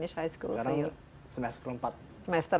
sekarang semester empat